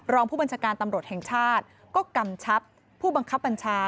รองผู้บัญชาการตำรวจแห่งชาติก็กำชับผู้บังคับบัญชา